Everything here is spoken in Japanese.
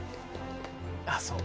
あっそう。